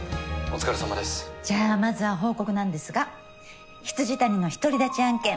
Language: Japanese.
じゃあまずは報告なんですが未谷の独り立ち案件